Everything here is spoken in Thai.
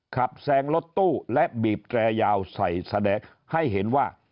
แซงรถตู้และบีบแตรยาวใส่แสดงให้เห็นว่า